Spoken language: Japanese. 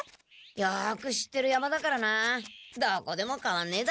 よく知ってる山だからなどこでもかわんねえだろ。